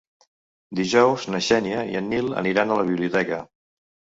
Dijous na Xènia i en Nil aniran a la biblioteca.